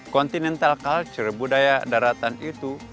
continental culture budaya daratan itu